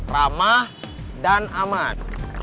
ramah dan aman